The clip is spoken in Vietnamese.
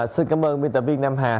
xin cảm ơn biên tập viên nam hà